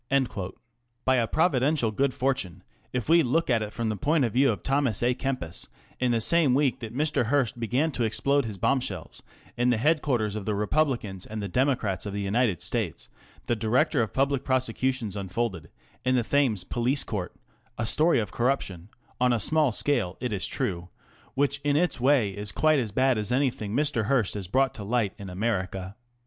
By a providential good fortune, if we look at it from the point of view of Thomas a Kempis, in the same week' that Mr. Hearst began to explode his bombshells in the headquarters of the Republicans and the Democrats of the United States, the Director of Public Prosecutions unfolded in the Thames Police Court a story of corruption ŌĆö on a small scale, it is true ŌĆö which in its way is quite as bad ns anything Mr. Hearst has brought to light in America.